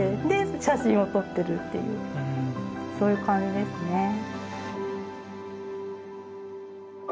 で写真を撮ってるっていうそういう感じですね。